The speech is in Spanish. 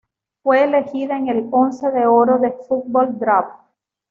Fue elegida en el Once de oro de Fútbol Draft.